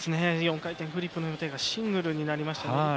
４回転フリップの予定がシングルになりましたね。